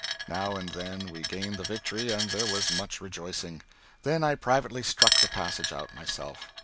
Now and then we gained the victory and there was much rejoicing. Then I privately struck the passage out myself.